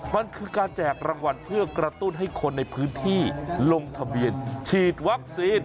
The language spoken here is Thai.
มันคือการแจกรางวัลเพื่อกระตุ้นให้คนในพื้นที่ลงทะเบียนฉีดวัคซีน